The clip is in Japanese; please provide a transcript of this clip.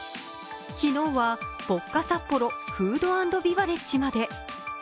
昨日はポッカサッポロフード＆ビバレッジまで。